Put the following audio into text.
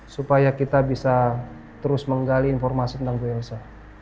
supaya kita bisa terus menggali informasi yang ada di dalamnya